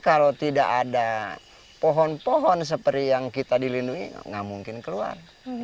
kalau tidak ada pohon pohon seperti yang kita dilindungi nggak mungkin keluar